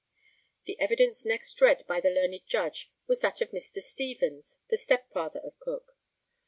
[The evidence next read by the learned Judge was that of Mr. Stevens, the stepfather of Cook.